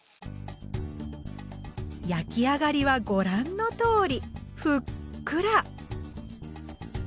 焼き上がりはご覧のとおりふっくら！